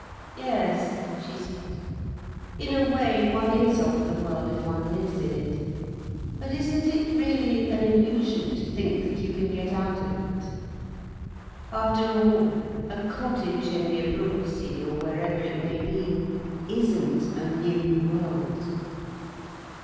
"Yes," she said. "In a way, one is of the world if one lives in it. But isn't it really an illusion to think you can get out of it? After all, a cottage in the Abruzzi, or wherever it may be, isn't a new world.